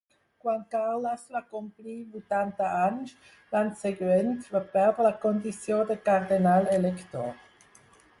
Quan Carles va complir vuitanta anys, l'any següent, va perdre la condició de cardenal elector.